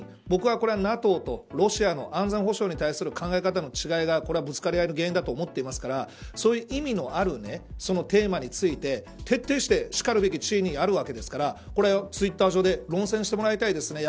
僕は、これはＮＡＴＯとロシアの安全保障に対する考え方の違いがぶつかり合いの原因だと思ってますからそういう意味のあるテーマについて徹底してしかるべき地位にあるわけですからツイッター上で論戦してもらいたいです。